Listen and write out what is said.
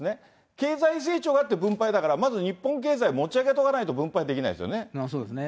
経済成長があって分配だから、まず日本経済持ち上げとかないと、分配できないですよね。